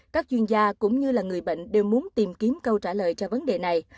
các chuyên gia cũng như là người bệnh đều muốn tìm kiếm câu trả lời cho vấn đề này